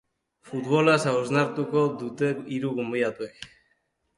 Futbolaz hausnartuko dute hiru gonbidatuek.